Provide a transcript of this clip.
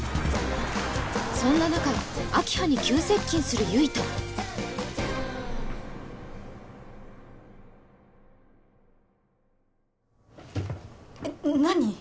そんな中明葉に急接近する唯斗えっ何！？